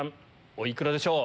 お幾らでしょう？